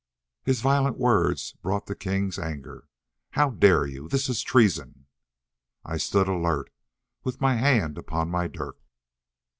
His violent words brought the king's anger. "How dare you! This is treason!" I stood alert, with my hand upon my dirk.